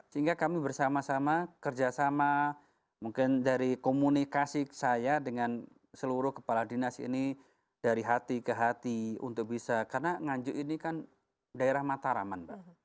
sehingga kami bersama sama kerjasama mungkin dari komunikasi saya dengan seluruh kepala dinas ini dari hati ke hati untuk bisa karena nganjuk ini kan daerah mataraman